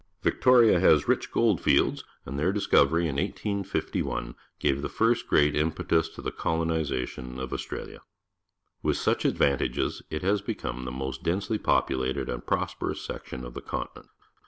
Mctoria has rich gold fie lds, and their discover}' in 1851 gave the first great impetus to the colonization of Aus tralia. With such ad vantages it has become the most densely pop ulated and prosperous section of the con tinent.